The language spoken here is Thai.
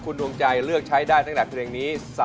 คุณดวงใจเลือกใช้ได้ตั้งแต่เพลงนี้